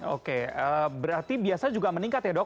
oke berarti biasa juga meningkat ya dok